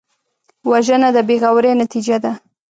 وژنه د بېغورۍ نتیجه ده